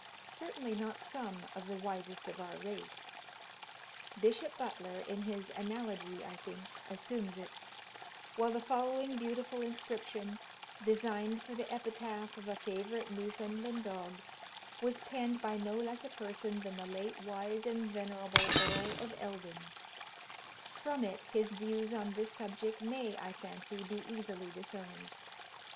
Certainly not some of the wisest of our race. Bishop Butler in his 'Analogy,' I think, assumes it; while the following beautiful inscription, designed for the epitaph of a favourite Newfoundland dog, was penned by no less a person than the late wise and venerable Earl of Eldon: from it his views on this subject may, I fancy, be easily discerned.